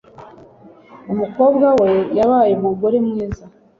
Umukobwa we yabaye umugore mwiza